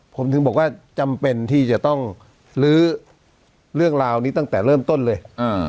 ผมถึงบอกว่าจำเป็นที่จะต้องลื้อเรื่องราวนี้ตั้งแต่เริ่มต้นเลย